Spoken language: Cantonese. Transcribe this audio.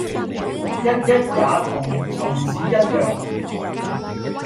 ——也同蟲子一樣，